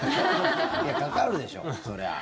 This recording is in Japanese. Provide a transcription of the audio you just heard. いや、かかるでしょそりゃあ。